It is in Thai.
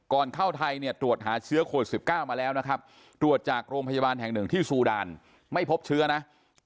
ก่อนเข้าไทยเนี่ยตรวจหาเชื้อโควิด๑๙มาแล้วนะครับตรวจจากโรงพยาบาลแห่งหนึ่งที่ซูดานไม่พบเชื้อนะ